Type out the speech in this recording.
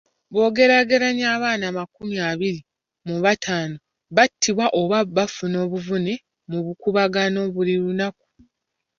Bw'ogeraageranya, abaana amakumi abiri mu bataano battibwa oba bafuna obuvune mu bukuubagano buli lunaku.